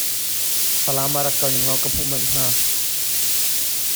Falam ah rak kal ninglaw ka hmuh manh hnga.